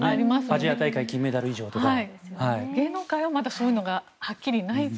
アジア大会金メダル以上とか。